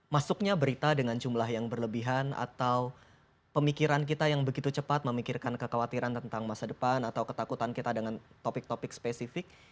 masuknya berita dengan jumlah yang berlebihan atau pemikiran kita yang begitu cepat memikirkan kekhawatiran tentang masa depan atau ketakutan kita dengan topik topik spesifik